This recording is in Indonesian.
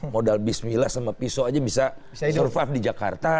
modal bismillah sama pisau aja bisa survive di jakarta